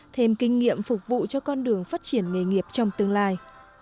thêm kinh nghiệm phục vụ cho con đường phát triển nghề nghiệp trong tương lai